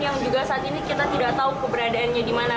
yang juga saat ini kita tidak tahu keberadaannya di mana